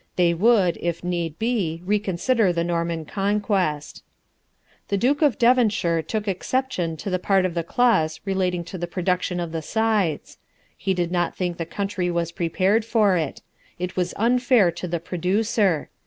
They would, if need be, reconsider the Norman Conquest. The Duke of Devonshire took exception to the part of the clause relating to the production of the sides. He did not think the country was prepared for it. It was unfair to the producer.